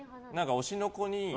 推しの子